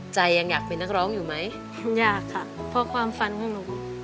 ยังอยากเป็นนักร้องอยู่ไหมอยากค่ะเพราะความฝันของหนู